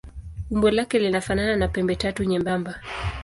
Umbo lake linafanana na pembetatu nyembamba.